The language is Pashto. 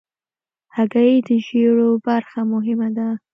هګۍ د ژیړو برخه مهمه ده.